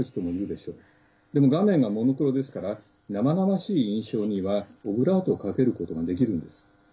でも、画面がモノクロですから生々しい印象にはオブラートをかけることができるんです。